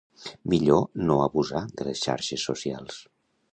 Millor no abusar de les xarxes socials.